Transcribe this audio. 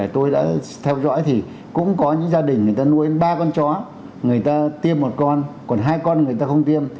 tôi đã theo dõi thì cũng có những gia đình người ta nuôi ba con chó người ta tiêm một con còn hai con người ta không tiêm